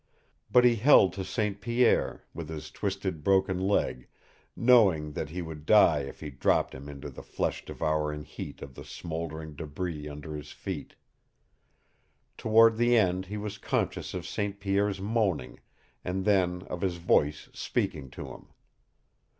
But he held to St. Pierre, with his twisted, broken leg, knowing that he would die if he dropped him into the flesh devouring heat of the smoldering debris under his feet. Toward the end he was conscious of St. Pierre's moaning, and then of his voice speaking to him.